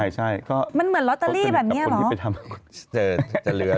ใช่มันเหมือนรอเตอรี่แบบนี้หรือ